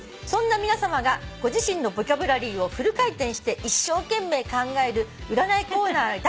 「そんな皆さまがご自身のボキャブラリーをフル回転して一生懸命考える占いコーナー